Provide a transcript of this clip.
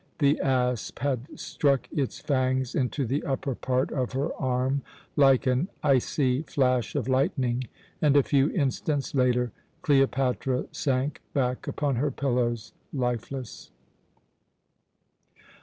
The asp had struck its fangs into the upper part of her arm like an icy flash of lightning, and a few instants later Cleopatra sank back upon her pillows lifeless.